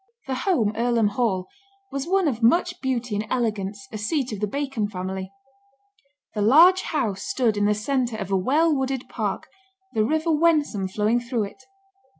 The home, Earlham Hall, was one of much beauty and elegance, a seat of the Bacon family. The large house stood in the centre of a well wooded park, the river Wensum flowing through it.